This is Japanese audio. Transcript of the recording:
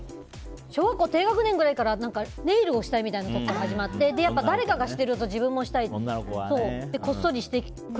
小学校低学年くらいからネイルをしたいみたいなところから始まって誰かがしてると自分もしたいって。